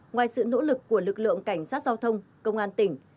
ngoài sự nỗ lực của lực lượng cảnh sát giao thông công an tỉnh